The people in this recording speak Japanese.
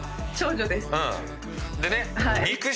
でね。